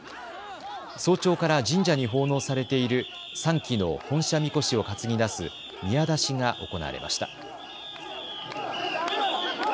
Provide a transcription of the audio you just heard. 早朝から神社に奉納されている３基の本社神輿を担ぎ出す宮出しが行われました。